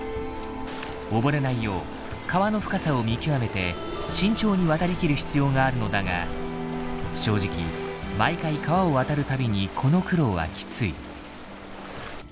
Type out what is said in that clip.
溺れないよう川の深さを見極めて慎重に渡りきる必要があるのだが正直毎回川を渡る度にこの苦労はきつい。